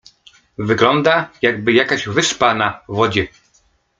Wygląda, jakby jakaś wyspa na wodzie.